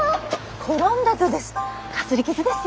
転んだとです。